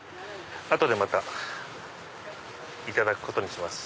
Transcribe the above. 後でまたいただくことにします。